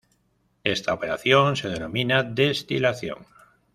Esta operación se denomina destilación.